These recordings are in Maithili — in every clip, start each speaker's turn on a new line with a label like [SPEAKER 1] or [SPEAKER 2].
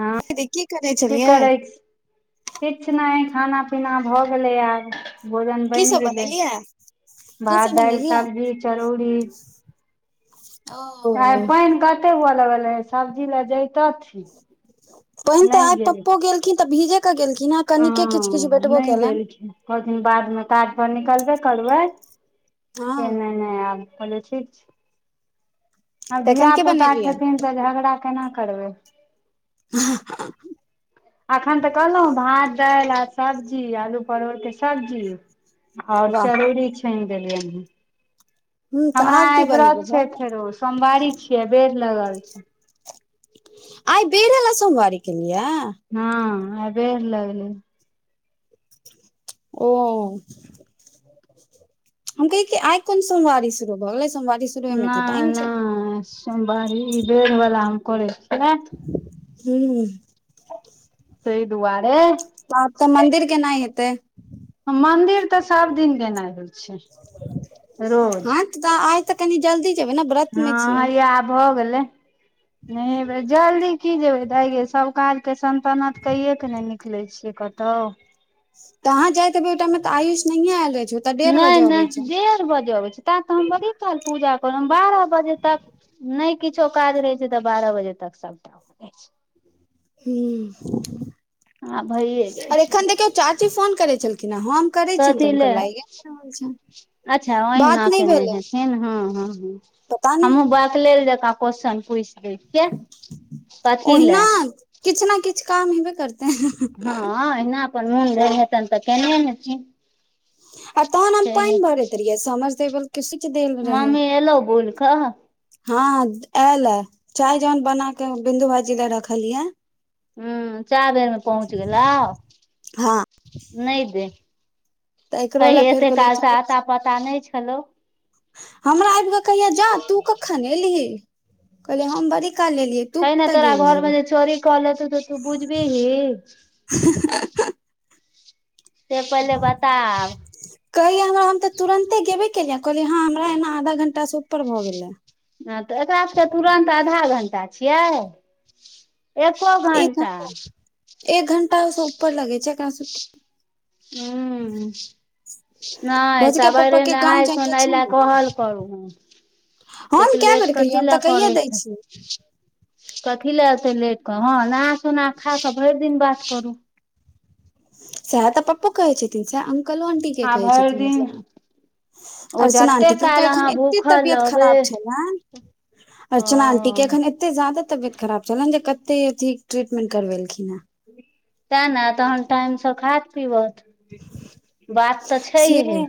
[SPEAKER 1] हँ
[SPEAKER 2] दीदी की करै
[SPEAKER 1] की
[SPEAKER 2] छलियै
[SPEAKER 1] करै छी किछु नहि खाना पीना भऽ गेलै आब भोजन
[SPEAKER 2] की
[SPEAKER 1] बनि
[SPEAKER 2] सब
[SPEAKER 1] गेलै
[SPEAKER 2] बनेलियै की सब
[SPEAKER 1] भात दालि
[SPEAKER 2] बनेलियै
[SPEAKER 1] सब्जी चरौरि आ
[SPEAKER 2] ओ
[SPEAKER 1] पानि कते हुअ लगल रहै सब्जी लए जैतथिन
[SPEAKER 2] पहिन तऽ आइ पप्पो गेलखिन तऽ भीजे के गेलखिन हें
[SPEAKER 1] हँ नहि गेलख कहलखिन दिन बादमे काज पर निकलबे करबै
[SPEAKER 2] हँ
[SPEAKER 1] के नेने एब कहलियै ठीक छै आब
[SPEAKER 2] तखन के
[SPEAKER 1] धियापुता
[SPEAKER 2] बनेलियै
[SPEAKER 1] छथिन तऽ झगड़ा केना करबै
[SPEAKER 2] हाँ [inaudible]
[SPEAKER 1] एखन तऽ कहलहुँ भात दालि आ सब्जी आलू परोड़के सब्जी आओर
[SPEAKER 2] वाह
[SPEAKER 1] चरौरी छानि देलियनि हें
[SPEAKER 2] ह तऽ
[SPEAKER 1] हमरा
[SPEAKER 2] आब की
[SPEAKER 1] आइ व्रत
[SPEAKER 2] बनेबै
[SPEAKER 1] छै
[SPEAKER 2] भऽ गेल
[SPEAKER 1] फेरो सोमवारी छियै बेर लगल छै
[SPEAKER 2] आइ बेेर‌ वला सोमबारी केलिए यै
[SPEAKER 1] हँ आइ बेर लगलै
[SPEAKER 2] ओ हम कहियै की आइ कोन सोमवारी शुरू भऽ गेलै सोमवारी शुरू होइमे तऽ
[SPEAKER 1] नहि
[SPEAKER 2] टाइम छै
[SPEAKER 1] नहि सोमवारी ई बेर बला हम करै छियै
[SPEAKER 2] हूंम्म
[SPEAKER 1] तहि दुआरे
[SPEAKER 2] तब तऽ मंदिर केना एतै
[SPEAKER 1] मंदिर तऽ सब दिन गेनाइ होइ छै रोज
[SPEAKER 2] हँ तऽ आय तऽ कनी जल्दी जेबै ने व्रत मे
[SPEAKER 1] हँ
[SPEAKER 2] छियै
[SPEAKER 1] हैये आब भऽ गेलै नहेवै जल्दी की जेबै दाइ गे सब काज के सन्तनत कैे के नहि निकलै छियै कतहु
[SPEAKER 2] तहाँ जाय तऽ बे ओ टाइम मे तऽ आयुष नहिए आयल रहै छै तऽ डेढ़
[SPEAKER 1] नहि
[SPEAKER 2] बजे अबै
[SPEAKER 1] नहि
[SPEAKER 2] छै
[SPEAKER 1] डेढ़ बजे अबै छै ता तऽ हम बड़ी काल पूजा करब बारह बजे तक नहि किछो काज रहै छै तऽ बारह बजे तक सबटा हो जाइ छै हमरा भइए जाइ
[SPEAKER 2] आओर
[SPEAKER 1] छै
[SPEAKER 2] एखन देखियौ चाची फोन करै छलखिन हे हमर करे छियनि
[SPEAKER 1] कथी
[SPEAKER 2] तऽ
[SPEAKER 1] ले
[SPEAKER 2] हुनकर लागे नहि रहल
[SPEAKER 1] अच्छा
[SPEAKER 2] छै
[SPEAKER 1] ओहिना
[SPEAKER 2] बात नहि
[SPEAKER 1] केने
[SPEAKER 2] भेलै
[SPEAKER 1] हँ हँ
[SPEAKER 2] पता नहि
[SPEAKER 1] हमहूँ बकलेल जकाँ क्वेश्चन पूछि दै छियै कथी ले
[SPEAKER 2] ओहिना किछु ने किछु काम हेबे करते है
[SPEAKER 1] हँ एहिना अपन मोन भेल हेतैन तऽ केने हेथिन
[SPEAKER 2] आ तहन हम
[SPEAKER 1] छैहे
[SPEAKER 2] पानि भरैत रहियै समरसेवलके स्विच देल रहै
[SPEAKER 1] मम्मी एलौ बुलि कऽ
[SPEAKER 2] हँ एयल ए चाय जहन बनाक बिन्दु भाईजी ले रखलिये
[SPEAKER 1] हूंम्म चाय बेरमे पहुँच गेला
[SPEAKER 2] हँ
[SPEAKER 1] नै दे
[SPEAKER 2] तऽ एकरो
[SPEAKER 1] कहि
[SPEAKER 2] लए फेर
[SPEAKER 1] एते
[SPEAKER 2] कहलियै
[SPEAKER 1] कालसँ
[SPEAKER 2] चलू
[SPEAKER 1] आता पता नहि छलौ
[SPEAKER 2] हमरा आब क कहिया जा तू कखन एलही कहलियै हम बड़ी काल एलियै
[SPEAKER 1] [inaudible]
[SPEAKER 2] तू
[SPEAKER 1] कहि ने
[SPEAKER 2] कतऽ
[SPEAKER 1] तोरा
[SPEAKER 2] गेल रही
[SPEAKER 1] घरमे जे चोरी क लतो त तू बुझबिही
[SPEAKER 2] [unintelligible]
[SPEAKER 1] से पहिले बताब आब
[SPEAKER 2] कहये हमरा हम त तुरंते गेबे केलियै कहलियै ह हमरा एना आधा घंटा से ऊपर भ गेले
[SPEAKER 1] हँ त एकरा सब तुरन्त आधा घण्टा छियै एको
[SPEAKER 2] एक
[SPEAKER 1] घण्टा
[SPEAKER 2] घंटा एक घण्टा स उपर लगे छै एकरा सबके
[SPEAKER 1] हू नहि
[SPEAKER 2] भौजिका पप्पा
[SPEAKER 1] सबेरे
[SPEAKER 2] के गाँव
[SPEAKER 1] नहाय
[SPEAKER 2] जायके
[SPEAKER 1] सुनाय
[SPEAKER 2] छै
[SPEAKER 1] लए
[SPEAKER 2] ने
[SPEAKER 1] कहल करू ओतेक
[SPEAKER 2] हम कए
[SPEAKER 1] लेट
[SPEAKER 2] बेर कहियै
[SPEAKER 1] कथी
[SPEAKER 2] हम
[SPEAKER 1] लए
[SPEAKER 2] तऽ
[SPEAKER 1] करे
[SPEAKER 2] कहिये दै
[SPEAKER 1] छै
[SPEAKER 2] छियै
[SPEAKER 1] कथी ले एतै लेट क हँ नहा सोना खा क भरि दिन बात करूँ
[SPEAKER 2] सह त पपो कहै छथिन सह अंकलो आंटी के
[SPEAKER 1] आ
[SPEAKER 2] कहै
[SPEAKER 1] भरि
[SPEAKER 2] छथिन
[SPEAKER 1] दिन ओ
[SPEAKER 2] मतलब अर्चना
[SPEAKER 1] जते
[SPEAKER 2] आंटी के
[SPEAKER 1] काल
[SPEAKER 2] हुनकर एखन
[SPEAKER 1] अहाँ
[SPEAKER 2] एते
[SPEAKER 1] भूखल
[SPEAKER 2] तबियत
[SPEAKER 1] रहबै
[SPEAKER 2] खराब छै न अर्चना आंटी के
[SPEAKER 1] हँ
[SPEAKER 2] एखन एत एते ज ज्यादा तबियत खराब छन जे कते चीज ट्रीटमेंट करबेलखिन हँ
[SPEAKER 1] तै ने तहन टाइम से खाइत पीबत बात त
[SPEAKER 2] से
[SPEAKER 1] छैहे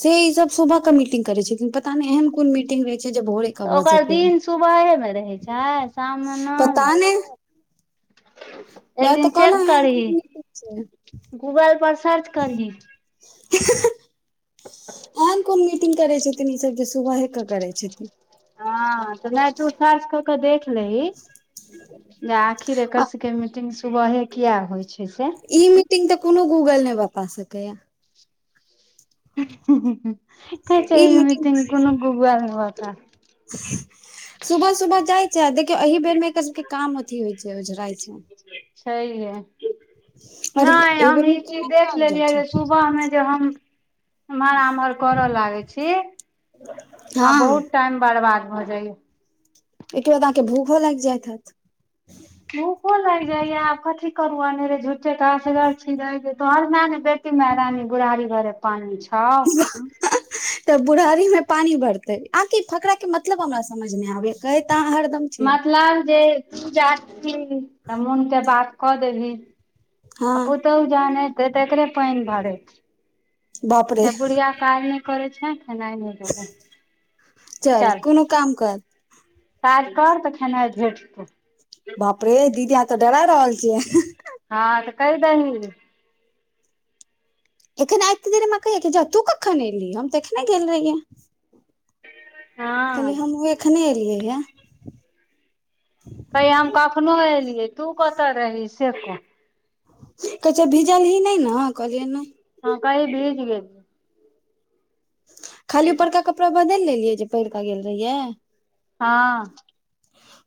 [SPEAKER 2] से ई सब सुबह के मीटिंग करे छै पता नहि एहन कोन मीटिंग रहै कि जे भोरे
[SPEAKER 1] तऽ
[SPEAKER 2] कब हो
[SPEAKER 1] ओकर
[SPEAKER 2] सकै
[SPEAKER 1] दिन सुबहेमे रहै छै शाममे
[SPEAKER 2] पता नहि
[SPEAKER 1] एक
[SPEAKER 2] वएह
[SPEAKER 1] दिन
[SPEAKER 2] तऽ
[SPEAKER 1] चेक
[SPEAKER 2] कहलहुँ एहन
[SPEAKER 1] करही
[SPEAKER 2] कोन मीटिंग छै
[SPEAKER 1] गूगल पर सर्च करही
[SPEAKER 2] अहन कोन मीटिंग करै छै न ई सब जे सुबहे के करै छथिन
[SPEAKER 1] हँ त नइ तु सर्च क के देख लेही जे आखिर की रे एकर
[SPEAKER 2] आ
[SPEAKER 1] सबके मीटिंग सुबहे किया होइ छै से
[SPEAKER 2] ई मीटिंग त कोनो गूगल नहि बता सकैया
[SPEAKER 1] कहै छै
[SPEAKER 2] ई
[SPEAKER 1] इ
[SPEAKER 2] मीटिंग
[SPEAKER 1] मिटिंग कोनो गूगल बता
[SPEAKER 2] सुभह सुभह जाइ चा देखियौ एहि बेर मे एकर सबके काम अथी होइ छै ओझराइ छै
[SPEAKER 1] छय है
[SPEAKER 2] आर
[SPEAKER 1] नहि
[SPEAKER 2] एहि
[SPEAKER 1] हम
[SPEAKER 2] बेर
[SPEAKER 1] ई
[SPEAKER 2] मे
[SPEAKER 1] चीज
[SPEAKER 2] केना के
[SPEAKER 1] देख
[SPEAKER 2] आबि जाइ
[SPEAKER 1] लेलियै
[SPEAKER 2] छै
[SPEAKER 1] जे सुबहमे जे हम इमहर आमहर करै लागै छी हँ बहुत टाइम बर्बाद भए जाइया
[SPEAKER 2] एके बाद त अहाँके भूखो लागि जाइत हाइत
[SPEAKER 1] भूखो लागि जाइय आब कथी करु अनेरे झूठे के असगर छी जाइ तोहर मै ने बे कीमे रानी बुढ़ारी भर पानी छ
[SPEAKER 2] त बुढ़ारी मे पानी भरतै आकि फकरा के मतलब हमरा समझ न आबै कहै अहाँ हरदम छियै
[SPEAKER 1] मतलब जे तू जात छिही त मोनके बात क देबही
[SPEAKER 2] हँ
[SPEAKER 1] पुतहु जहन एते तै एकरे पानि भरैत छै
[SPEAKER 2] बाप रे
[SPEAKER 1] बुढ़िया काज नहि करे छै खेना नै चल
[SPEAKER 2] कोनो काम कर
[SPEAKER 1] काज कर त खेनाई भेटतै
[SPEAKER 2] बाप रे दीदी अहाँ त डरा रहल छियै
[SPEAKER 1] हँ त केह दही
[SPEAKER 2] एखन आते देरेमे कहै जा तू कखन एलही हम तऽ एखने गेल रहिये
[SPEAKER 1] हँ
[SPEAKER 2] कहलिय हम एखने एलियै ये
[SPEAKER 1] त हम कखनो एलियै तू कतैऽ रहही से कह
[SPEAKER 2] कह‌ए छय भीजल ही नहि ने कलिय नहि
[SPEAKER 1] हँ कइ बीज गेल
[SPEAKER 2] खाली ऊपरका कपड़ा बदलि लेलियै जे पहिर कऽ गेल रहियै
[SPEAKER 1] हँ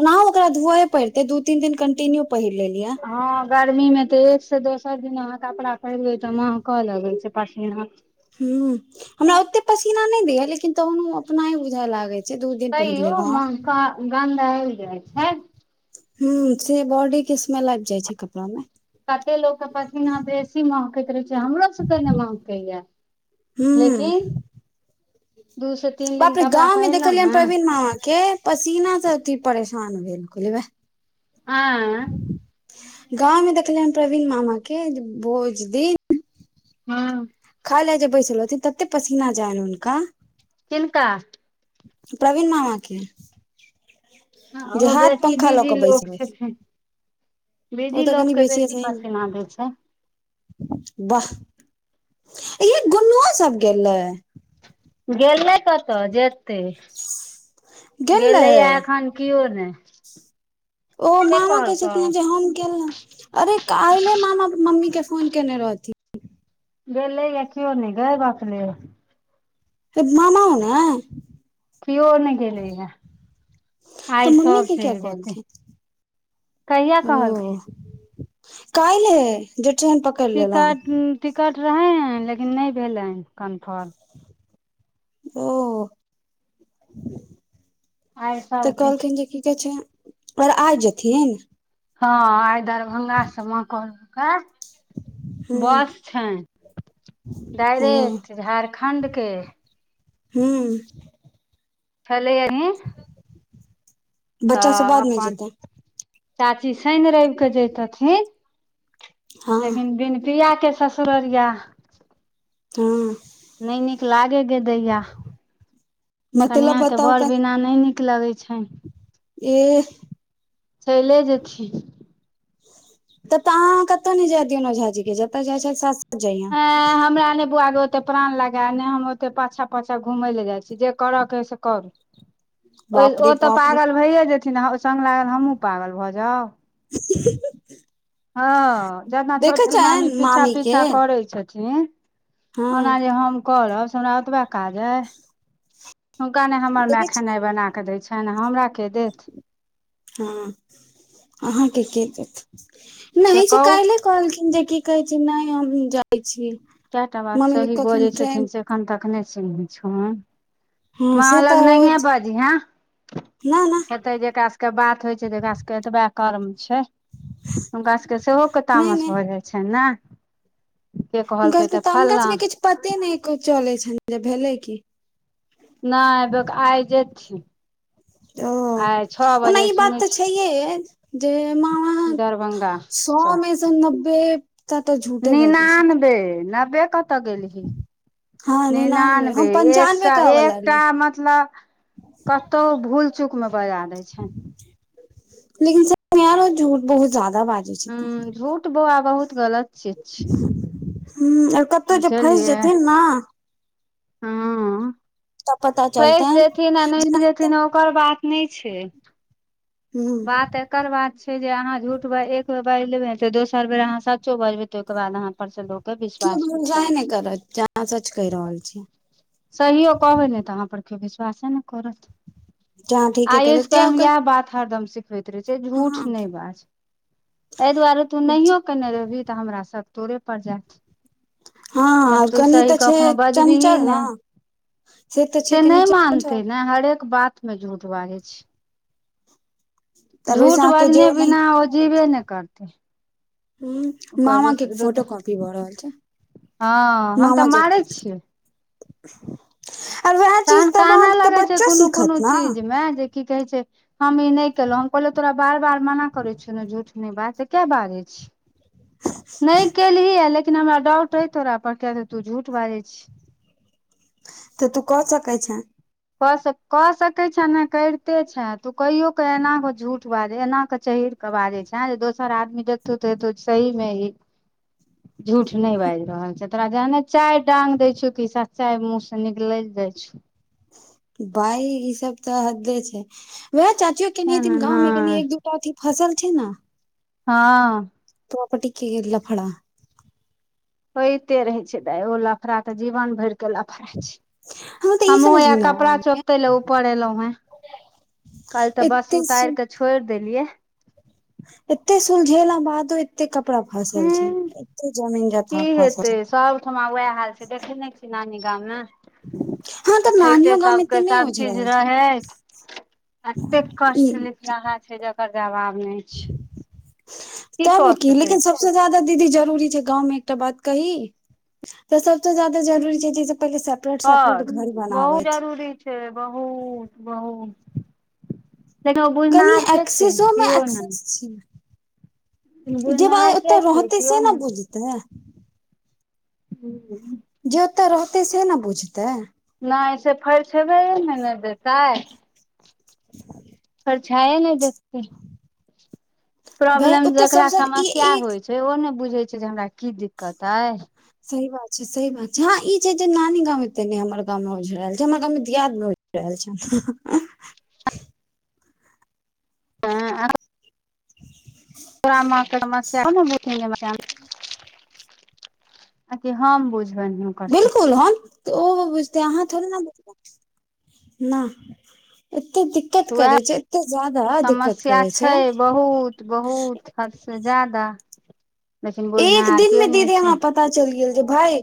[SPEAKER 2] ओनाहो ओकरा धोवए पड़ते दू तीन दिन कंटिन्यू पहिर लेलिये
[SPEAKER 1] हँ गर्मी मे तऽ एक से दोसर दिन अहाँ कपड़ा पहिरबै तऽ महकऽ लगैत छै पसीना
[SPEAKER 2] ह हमरा ओते पसीना नहि दे या लेकिन तहन अपनाय बुझए लागे छै दू दिन पहिर
[SPEAKER 1] तैयो
[SPEAKER 2] लेलहुँ आब
[SPEAKER 1] महक आ गन्द आब जाइ छै
[SPEAKER 2] ह से बॉडी के स्मेल आबि जाइ छै कपड़ा मे
[SPEAKER 1] कते लोक के पसीना बेसी महकैत रहे छै हमरो सबके ने महकै या
[SPEAKER 2] हू
[SPEAKER 1] दू से तीन
[SPEAKER 2] बाप
[SPEAKER 1] दिन
[SPEAKER 2] रे
[SPEAKER 1] कपड़ा
[SPEAKER 2] गाँंव मे
[SPEAKER 1] पहिरलहुँ
[SPEAKER 2] देखलियैन
[SPEAKER 1] ने
[SPEAKER 2] प्रवीन मामा के पसीना से अथी परेशान भेल कहलिये भ ए
[SPEAKER 1] आ
[SPEAKER 2] गाँव मे देखलियनि प्रवीण मामा के भोज दिन
[SPEAKER 1] हँ
[SPEAKER 2] अइल लै जे बैसलथि तते पसीना जाइन हुनका
[SPEAKER 1] किनका
[SPEAKER 2] प्रवीन मामा के जे
[SPEAKER 1] ओ
[SPEAKER 2] हाथ
[SPEAKER 1] बेसी
[SPEAKER 2] पंखा लऽ
[SPEAKER 1] बिजी
[SPEAKER 2] के बैस
[SPEAKER 1] लोक
[SPEAKER 2] रहल छै
[SPEAKER 1] छथिन बिजी लोक के
[SPEAKER 2] बेसिये
[SPEAKER 1] बेसी
[SPEAKER 2] सही मे
[SPEAKER 1] पसीना दै छै
[SPEAKER 2] वाह य गुनओ सब गेलै
[SPEAKER 1] गेलियै कतऽ जैत त
[SPEAKER 2] गेल
[SPEAKER 1] गेलैया
[SPEAKER 2] रहै
[SPEAKER 1] एखन किओ ने
[SPEAKER 2] ओ मामा कहे छथिन जे हम गेलहु अरे काल्ले मामा मम्मी के फोन केने रहथिन
[SPEAKER 1] गेलैया कियओ नहि गे बकलेल
[SPEAKER 2] [unintelligible] मामा ने
[SPEAKER 1] केओ नहि गेलैया
[SPEAKER 2] तऽ
[SPEAKER 1] आइ
[SPEAKER 2] मम्मी
[SPEAKER 1] सब
[SPEAKER 2] के किया
[SPEAKER 1] चलि जेतै
[SPEAKER 2] कहलखिन
[SPEAKER 1] कहिया
[SPEAKER 2] ओ
[SPEAKER 1] कहलखिन
[SPEAKER 2] कालहि जे ट्रेन पकर
[SPEAKER 1] टिकट टिकट रहै लेकिन नहि भेलै कन्फर्म
[SPEAKER 2] ओ
[SPEAKER 1] आइ
[SPEAKER 2] तऽ
[SPEAKER 1] सबकिछु
[SPEAKER 2] कहलखिन जे की कहै छै उ आर आइ जेथिन
[SPEAKER 1] हा आइ दरभंगा से मां कहलकै
[SPEAKER 2] हूँ
[SPEAKER 1] बस छ
[SPEAKER 2] हूँ
[SPEAKER 1] डायरेक्ट झारखण्ड के
[SPEAKER 2] हँ
[SPEAKER 1] छलै यनी
[SPEAKER 2] बच्चा सब
[SPEAKER 1] तऽ
[SPEAKER 2] बाद मे
[SPEAKER 1] अपन
[SPEAKER 2] जेतै
[SPEAKER 1] चाची शनि रव कऽ जैतथिन
[SPEAKER 2] हँ
[SPEAKER 1] लेकिन बिन पिया के ससुररिया
[SPEAKER 2] हँ
[SPEAKER 1] नहि नीक लागे ग दैया कनिया
[SPEAKER 2] मतलब
[SPEAKER 1] के
[SPEAKER 2] बताउ
[SPEAKER 1] बौर
[SPEAKER 2] क
[SPEAKER 1] बिना नहि नीक नीक लगैत छ
[SPEAKER 2] एह
[SPEAKER 1] चले जेथिन
[SPEAKER 2] तब तऽ अहाँ कतौ जाय दियौ नो झाजी के जतय जाइ छ सा जइय
[SPEAKER 1] तै हम हमरा नहि बुआ दे ओते प्राण लगा ने हम ओते पाछाँ पाछाँ घूमय लए जाइ छी जे करऽ हय से कर ओ
[SPEAKER 2] बाप रे
[SPEAKER 1] ओ तऽ
[SPEAKER 2] बाप रे
[SPEAKER 1] पागल भैए जेथिन ओ सङ्ग लागल हमहूँ पागल भऽ जाउ
[SPEAKER 2] ह [unintelligible]
[SPEAKER 1] हँ जेना छोटकी मामी
[SPEAKER 2] छनि
[SPEAKER 1] पीछा
[SPEAKER 2] के
[SPEAKER 1] पीछा करै छथिन
[SPEAKER 2] हँ
[SPEAKER 1] ओना जे हम करब से हमरा ओतबा काज अइ हुनका ने हमर माय
[SPEAKER 2] देखै
[SPEAKER 1] खेनाइ
[SPEAKER 2] छियनि
[SPEAKER 1] बना कऽ दै छनि हमरा के देत
[SPEAKER 2] हँ अहाँके के देत
[SPEAKER 1] से
[SPEAKER 2] नहि छै क
[SPEAKER 1] कहू
[SPEAKER 2] कहलखिन जे की कहै छै नहि हम जाइ छी
[SPEAKER 1] कए टा बात
[SPEAKER 2] मम्मी के
[SPEAKER 1] सही बजै
[SPEAKER 2] कखन ट्रेन
[SPEAKER 1] छथिन से एखन तक नहि चिन्है छ्हुन
[SPEAKER 2] हँ
[SPEAKER 1] माँ
[SPEAKER 2] से
[SPEAKER 1] लग
[SPEAKER 2] तऽ ओ
[SPEAKER 1] नहिये बजीहें
[SPEAKER 2] न न
[SPEAKER 1] ते जेकरा सबके बात होइ छै तकरा सबके एतबे कर्म छै हुनका सभके सेहोके
[SPEAKER 2] नहि
[SPEAKER 1] तामस
[SPEAKER 2] नहि
[SPEAKER 1] भऽ जाइ छनि ने के
[SPEAKER 2] हुनका
[SPEAKER 1] कहलकै
[SPEAKER 2] सबके
[SPEAKER 1] तऽ
[SPEAKER 2] हुनका
[SPEAKER 1] फलना
[SPEAKER 2] सबके किछु पते नहि क चलै छैन जे भेलै कि
[SPEAKER 1] नहि आइ जेथि
[SPEAKER 2] ओ ओना
[SPEAKER 1] बजे
[SPEAKER 2] ई बात
[SPEAKER 1] सुनै
[SPEAKER 2] तऽ छैहे जे मामा
[SPEAKER 1] छी दरभंगा
[SPEAKER 2] सौ मे सँ नब्बे टा तऽ झूठे बाजै छै
[SPEAKER 1] निन्यानबे नब्बे कतऽ गेलही
[SPEAKER 2] हँ
[SPEAKER 1] निनानबे
[SPEAKER 2] हम
[SPEAKER 1] एक
[SPEAKER 2] पंचानबे
[SPEAKER 1] सए
[SPEAKER 2] कहवला रहियै
[SPEAKER 1] एकटा मतलब कतहु भूल चूकमे बजा दै छै
[SPEAKER 2] लेकिन [unintelligible] यारो झूठ बहुत ज्यादा बाजे छथिन
[SPEAKER 1] हूँ झूठ बौआ बहुत गलत चीज छै
[SPEAKER 2] [unintelligible] हूंम्म आर कतहु जे फँसि
[SPEAKER 1] बुझलियै
[SPEAKER 2] जेथिन ने
[SPEAKER 1] हँ
[SPEAKER 2] तब पता
[SPEAKER 1] फँसि
[SPEAKER 2] चलतैन
[SPEAKER 1] जेथिन आ नहि
[SPEAKER 2] जेनाते
[SPEAKER 1] जेथिन ओकर बात नहि छै
[SPEAKER 2] ह
[SPEAKER 1] बात एकर बात छै जे अहाँ झूठ ब एक बेर बाजि लेबे ने तऽ दोसर बेर अहाँ सचो बाजबे तऽ तहिके बाद अहाँ पर से लोक के
[SPEAKER 2] केओ
[SPEAKER 1] विश्वास उठि
[SPEAKER 2] भरोसा नहि
[SPEAKER 1] जेतै
[SPEAKER 2] करत जे अहाँ सच कहि रहल छी
[SPEAKER 1] सहियो कहबे ने तऽ अहा पर केओ विश्वासे ने करत
[SPEAKER 2] जे अहाँ ठीके कहि रहल
[SPEAKER 1] आयुष
[SPEAKER 2] छी
[SPEAKER 1] के
[SPEAKER 2] किया
[SPEAKER 1] हम
[SPEAKER 2] ओकर
[SPEAKER 1] इएह बात हरदम सिखबैत रहै छियै तू झूठ
[SPEAKER 2] हँ
[SPEAKER 1] नहि बाज एहि दुआरे तू नहियों न्हियों केने रहबही तऽ हमरा सक तोरे पड़ जायत आ
[SPEAKER 2] हँ आओर
[SPEAKER 1] तू
[SPEAKER 2] कनि
[SPEAKER 1] सही
[SPEAKER 2] तऽ छै
[SPEAKER 1] कखनो बजबिही
[SPEAKER 2] चंचल
[SPEAKER 1] ने
[SPEAKER 2] तऽ छै
[SPEAKER 1] से
[SPEAKER 2] कनि
[SPEAKER 1] नहि
[SPEAKER 2] चंचल
[SPEAKER 1] मानते ने हरेक बात मे झूठ बाजै छै
[SPEAKER 2] तर
[SPEAKER 1] झूठ
[SPEAKER 2] सँके जे
[SPEAKER 1] बजने बिना
[SPEAKER 2] ऑनैहते
[SPEAKER 1] ओ
[SPEAKER 2] न रहै
[SPEAKER 1] जीबे
[SPEAKER 2] छै
[SPEAKER 1] नहि करतै
[SPEAKER 2] हूंम्म
[SPEAKER 1] ओकर
[SPEAKER 2] मामा के फोटो कॉपी भऽ रहल छै
[SPEAKER 1] हँ हम तऽ मारै छियै
[SPEAKER 2] आ वएह
[SPEAKER 1] तहन
[SPEAKER 2] चीज तऽ
[SPEAKER 1] कानऽ
[SPEAKER 2] आहाँके
[SPEAKER 1] लगै छै
[SPEAKER 2] बच्चो
[SPEAKER 1] कोनो कोनो
[SPEAKER 2] सिखत ने
[SPEAKER 1] चीज मे जे की कहै छै हम ई नहि केलहुं हम कहलिये तोरा बार बार मना करै छियौ ने झूठ नहि बाज तऽ किया बाजै छीही नहि केलही लेकिन हमरा डाउट अइ तोरा पर किया तऽ तू झूठ बाजैत छीही
[SPEAKER 2] तऽ तू कऽ सकै छें
[SPEAKER 1] कऽ सकैत छें ने तु करितो छें तू कईयो कऽ एना कऽ झूठ बाजै छै एना कऽ चढ़ि कऽ बाजय छै जे दोसर आदमी देखतौ तऽ हेतै सही मे ई झूठ नहि बाजि रहल छै तोरा जहने चाय डांग देय छीयौ कि सच्चाय मुंह से निकलि जाइ छौ
[SPEAKER 2] बा ई सब तऽ हद्दे छै वएह चाचियो केनीये
[SPEAKER 1] एना
[SPEAKER 2] दिन गाँव मे
[SPEAKER 1] नहि
[SPEAKER 2] कनि एक दु टा अथी फसेलथिन ने
[SPEAKER 1] हँ
[SPEAKER 2] प्रोपटिके लफरा
[SPEAKER 1] होइते रहै छै दाय ओ लफड़ा तऽ जीवन भरि के लफड़ा छै
[SPEAKER 2] हमरा तऽ ई
[SPEAKER 1] हमहुँ
[SPEAKER 2] समझ
[SPEAKER 1] हैये
[SPEAKER 2] मे नहि
[SPEAKER 1] कपड़ा
[SPEAKER 2] आयल
[SPEAKER 1] चोपते ले ऊपर एलहुँ हें काल्हि तऽ बस
[SPEAKER 2] एते
[SPEAKER 1] उतारि कऽ छोड़ि देलियै
[SPEAKER 2] एते सुलझेला बादो एते कपड़ा फसल छै
[SPEAKER 1] हूं
[SPEAKER 2] एते जमीन जथा फसल
[SPEAKER 1] ओठमा वएह हाल छै देखे ने छी नानी गाममे
[SPEAKER 2] हँ तऽ
[SPEAKER 1] अछैते
[SPEAKER 2] नानियो गाम
[SPEAKER 1] सभके
[SPEAKER 2] एते नहि उझ
[SPEAKER 1] सभचीज
[SPEAKER 2] रहल छै
[SPEAKER 1] रहैत एतेक
[SPEAKER 2] ई
[SPEAKER 1] कष्ट लिखलाहा छै जेकर जवाब नहि छै
[SPEAKER 2] तब
[SPEAKER 1] कऽ
[SPEAKER 2] की
[SPEAKER 1] सकै
[SPEAKER 2] लेकिन
[SPEAKER 1] छी
[SPEAKER 2] सबसे ज्यादा दीदी जरूरी छै गाँवमे एकटा बात कही तऽ सबसँ ज्यादा जरूरी छै चीज से पहिले सब
[SPEAKER 1] घर बहुत जरूरी छै बहुत बहुत लेकिन ओ
[SPEAKER 2] कनी
[SPEAKER 1] बुझनिहार के छै
[SPEAKER 2] एक्सेसोमे
[SPEAKER 1] केओ
[SPEAKER 2] एक्सेस
[SPEAKER 1] नहि
[SPEAKER 2] छै जे बा
[SPEAKER 1] बुझनिहार
[SPEAKER 2] एतऽ
[SPEAKER 1] के छै
[SPEAKER 2] रहतेै
[SPEAKER 1] केओ
[SPEAKER 2] से न बुझतै
[SPEAKER 1] [unintelligible]
[SPEAKER 2] जे ओतय रहतै से ने बुझतै
[SPEAKER 1] नय से फरिछेबैये ने नय देतै
[SPEAKER 2] [inaudible]
[SPEAKER 1] फरिछयै नय देत तखन
[SPEAKER 2] भाय
[SPEAKER 1] प्रॉब्लम
[SPEAKER 2] ओतय
[SPEAKER 1] जेकरा
[SPEAKER 2] सबसँ ई
[SPEAKER 1] समस्या
[SPEAKER 2] एक
[SPEAKER 1] होइ छै ओ ने बुझै छै जे हमरा की दिक्कत अइ
[SPEAKER 2] सही बात छै सी बात छै हँ ई छै जे नानी गांव एते ने हमर गाँवमे उझ रहल छै हमर गाँव मे दियाद ब [unintelligible]
[SPEAKER 1] [unintelligible] तोरा [unintelligible] आ कि हम बुझबैन न
[SPEAKER 2] गेलखुन हन तऽ ओ बुझते अहाँ थोड़े न बुझबय एते दि दिक्कत
[SPEAKER 1] तऽ उएह
[SPEAKER 2] करै छै एते ज्यादा दिक्कत
[SPEAKER 1] समस्या
[SPEAKER 2] करै छै
[SPEAKER 1] बहुत बहुत हद से जादा लेकिन
[SPEAKER 2] एक
[SPEAKER 1] बुझनाहर
[SPEAKER 2] दिन
[SPEAKER 1] केयो
[SPEAKER 2] मे
[SPEAKER 1] नय
[SPEAKER 2] दीदी
[SPEAKER 1] छै
[SPEAKER 2] हमरा पता चल गेल जे भाय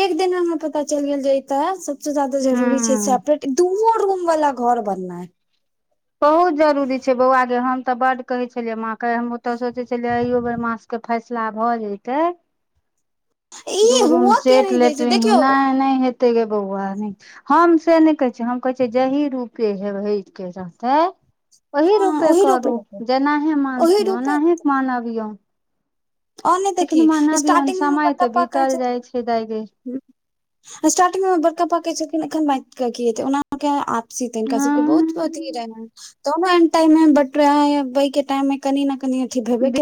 [SPEAKER 2] एक दिन हमरा पता चल गेल जे एतऽ सबसे जदाा जरूरी छै
[SPEAKER 1] हूँ
[SPEAKER 2] सेपरेट दूओ रूम वाला घर बननाइ
[SPEAKER 1] बहुत जरुरी छै बौआ जे हम तऽ बड कहे छलियै माँ के हम ओ तऽ सोचे छलियै अयो बेर माँ तऽ फैसला भऽ जतै दू
[SPEAKER 2] ई
[SPEAKER 1] रूम
[SPEAKER 2] हुअ के
[SPEAKER 1] सेट
[SPEAKER 2] नहि दै छै
[SPEAKER 1] लेट्रिन हो
[SPEAKER 2] देखियौ
[SPEAKER 1] ना नय हेतै गे बौआ हम से नय कहै छै हम कहै छै जही रूपे हेबहै के रहतै ओही
[SPEAKER 2] हँ
[SPEAKER 1] रूपे
[SPEAKER 2] ओहि रोपे
[SPEAKER 1] करू
[SPEAKER 2] हेतै
[SPEAKER 1] जेनाहे
[SPEAKER 2] ओहि
[SPEAKER 1] मानथिन
[SPEAKER 2] रोपे
[SPEAKER 1] ओनाहे मानबियौ
[SPEAKER 2] और नहि तऽ की स्टार्टिंग मे हमर
[SPEAKER 1] समय
[SPEAKER 2] बड़का
[SPEAKER 1] तऽ
[SPEAKER 2] पप्पा कहै
[SPEAKER 1] बीतल जाइ
[SPEAKER 2] छथिन
[SPEAKER 1] छै दाइ गे
[SPEAKER 2] जे हूं स्टारटिंगमे बड़का पा कहै छथिन एखन बांटि कऽ की हतै ओना के आपसी तऽ हिनका सबके बहुत अथी रहे है तो एहन टाइम में बट रहे है य वहि के टाइम में कनि ने कनि अथि भेबे के